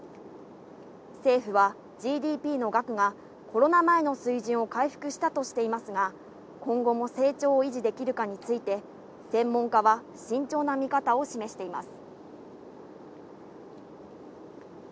政府はＧＤＰの額がコロナ前の水準を回復したとしていますが、今後も成長を維持できるかについて専門家は慎重な見方を示しています。